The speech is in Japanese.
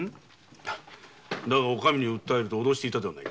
だがお上に訴えると脅していたではないか？